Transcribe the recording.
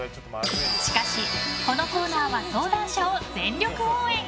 しかし、このコーナーは相談者を全力応援！